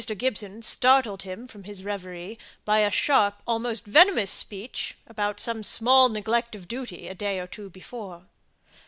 Gibson startled him from his reverie by a sharp, almost venomous, speech about some small neglect of duty a day or two before.